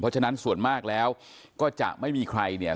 เพราะฉะนั้นส่วนมากแล้วก็จะไม่มีใครเนี่ย